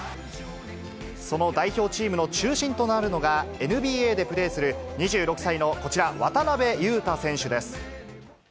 その代表チームの中心となるのが、ＮＢＡでプレーする、２６歳のこちら、渡邊雄太選手です。